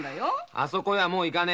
あそこはもう行かねえよ。